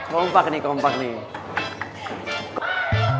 gompak nih gompak nih